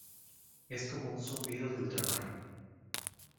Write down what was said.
es como un zumbido de ultramar.